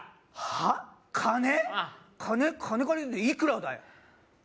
金金いくらだよ？